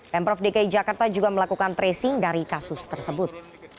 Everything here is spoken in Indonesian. pemprov dki jakarta juga melakukan tracing dari kasus tersebut